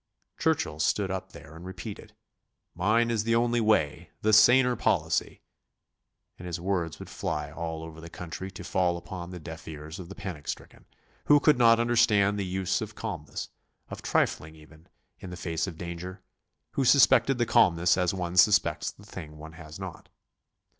Churchill stood up there and repeated: "Mine is the only way the saner policy," and his words would fly all over the country to fall upon the deaf ears of the panic stricken, who could not understand the use of calmness, of trifling even, in the face of danger, who suspected the calmness as one suspects the thing one has not.